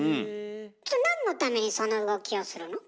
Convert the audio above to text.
なんのためにその動きをするの？